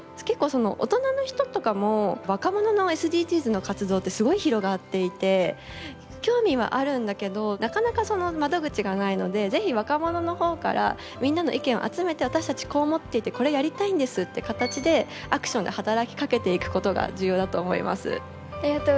結構大人の人とかも若者のＳＤＧｓの活動ってすごい広がっていて興味はあるんだけどなかなかその窓口がないので是非若者の方からみんなの意見を集めて私たちこう思っていてこれやりたいんですって形でアクションで働きかけていくことが重要だと思います。